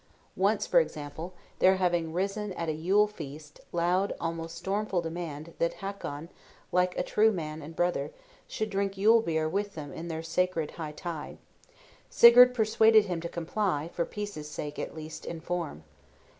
Once, for example, there having risen at a Yule feast, loud, almost stormful demand that Hakon, like a true man and brother, should drink Yule beer with them in their sacred hightide, Sigurd persuaded him to comply, for peace's sake, at least, in form.